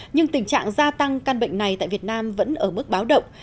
nhưng tình trạng gia tăng căn bệnh này tại việt nam vẫn ở mức báo động